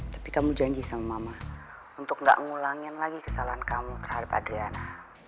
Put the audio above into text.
tapi kamu janji sama mama untuk gak ngulangin lagi kesalahan kamu terhadap adriana